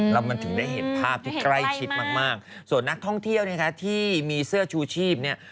แล้วมันถึงได้เห็นภาพที่ใกล้ชิดมากส่วนนักท่องเที่ยวเนี่ยค่ะที่มีเสื้อชูชีพเนี่ย